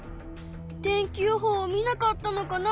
天気予報を見なかったのかな？